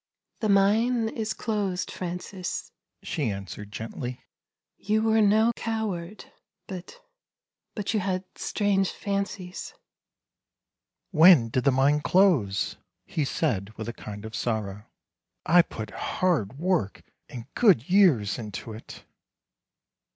The mine is closed, Francis," she answered gently. " You were no coward, but — but you had strange fancies." " When did the mine close? " he said with a kind of sorrow ;" I put hard work and good years into it."